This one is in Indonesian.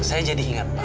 hai saya jadi ingat pak